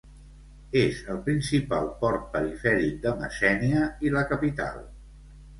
És el principal port perifèric de Messènia i la capital.